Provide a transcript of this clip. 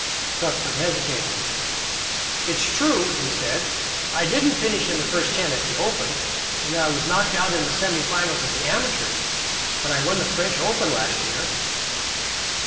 Cuthbert hesitated. "It's true," he said, "I didn't finish in the first ten in the Open, and I was knocked out in the semi final of the Amateur, but I won the French Open last year."